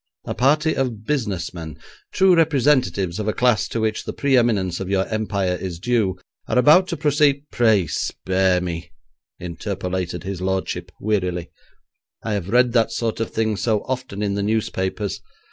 A party of business men, true representatives of a class to which the pre eminence of your Empire is due, are about to proceed ' 'Pray spare me,' interpolated his lordship wearily, 'I have read that sort of thing so often in the newspapers.